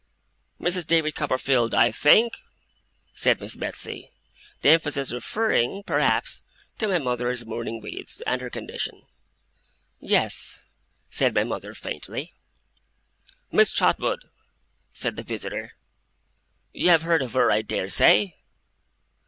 'Mrs. David Copperfield, I think,' said Miss Betsey; the emphasis referring, perhaps, to my mother's mourning weeds, and her condition. 'Yes,' said my mother, faintly. 'Miss Trotwood,' said the visitor. 'You have heard of her, I dare say?